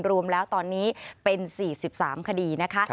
รวมแล้วตอนนี้เป็น๔๓คดีนะคะ